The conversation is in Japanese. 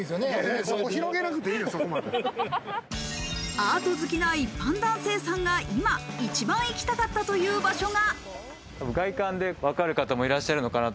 アート好きな一般男性さんが今、一番行きたかったという場所が。